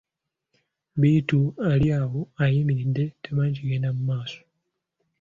Bittu ali awo ayimiridde tamanyi kigenda mu maaso.